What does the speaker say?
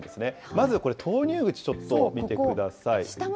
まずこれ、投入口ちょっと見てください。